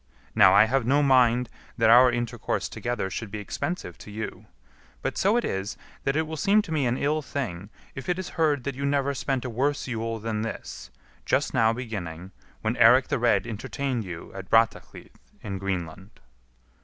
Now, I have no mind that our intercourse together should be expensive to you; but so it is, that it will seem to me an ill thing if it is heard that you never spent a worse Yule than this, just now beginning, when Eirik the Red entertained you at Brattahlid, in Greenland."